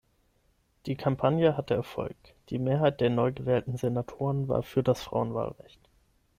Die Kampagne hatte Erfolg, die Mehrheit der neugewählten Senatoren war für das Frauenwahlrecht.